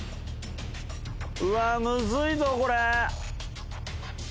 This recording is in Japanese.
うわー、むずいぞ、これ。